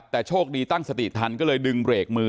แต่โชคดีตั้งสติทันก็เลยดึงเบรกมือ